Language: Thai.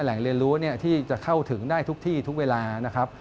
เรียนรู้ที่จะเข้าถึงได้ทุกที่ทุกเวลานะครับ